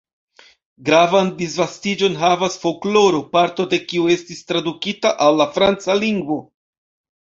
Gravan disvastiĝon havas folkloro, parto de kiu estis tradukita al la franca lingvo.